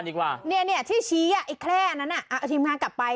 เดี๋ยวคุณนี่ที่ชี้ไอ้แคร่นั้นน่ะเอาทีมงานกลับไป